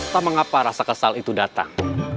sama sama rasa kesal itu datang